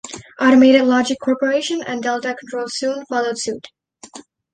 Automated Logic Corporation and Delta Controls soon followed suit.